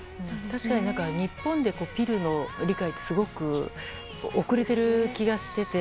確かに、日本でピルの理解ってすごく遅れている気がしていて。